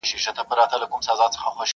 دسترخان ته مه گوره، تندي ته ئې گوره-